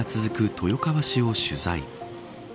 豊川市を取材。